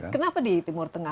kenapa di timur tengah